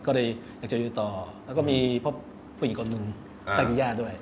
ก็เลยอยากจะอยู่ต่อแล้วก็มีพบผู้หญิงคนหนึ่งจากคุณย่าด้วย